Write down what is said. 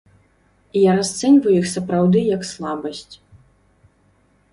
Я расцэньваю іх сапраўды як слабасць.